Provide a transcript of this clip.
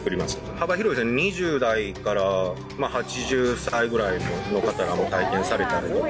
幅広いですよ、２０代から８０歳ぐらいの方らももう体験されたりとか。